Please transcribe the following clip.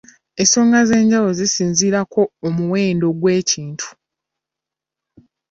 Ensonga ez'enjawulo zisinziirako omuwendo gw'ekintu.